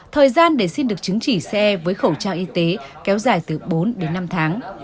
thời gian để xin được chứng chỉ ce với khẩu trang y tế kéo dài từ bốn đến năm tháng